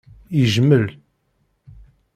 Yejmel.